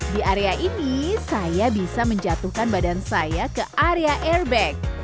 di area ini saya bisa menjatuhkan badan saya ke area airbag